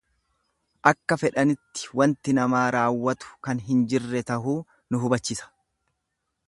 Akka fedhanitti wanti namaa raawwatu kan hin jirre tahuu nu hubachisa.